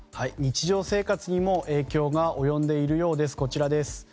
日常生活にも影響が及んでいるようです。